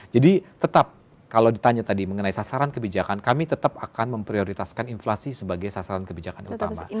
jadi tetap kalau ditanya tadi mengenai sasaran kebijakan kami tetap akan memprioritaskan inflasi sebagai sasaran kebijakan utama